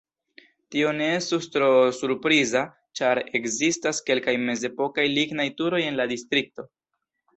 Tio ne estus tro surpriza ĉar ekzistas kelkaj mezepokaj lignaj turoj en la distrikto.